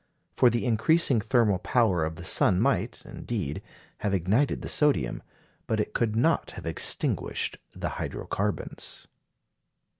For the increasing thermal power of the sun might, indeed, have ignited the sodium, but it could not have extinguished the hydro carbons.